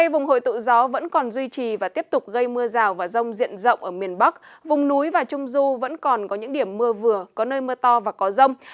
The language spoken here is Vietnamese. vùng núi và trung du vẫn còn có những điểm mưa vừa có nơi mưa to và có rông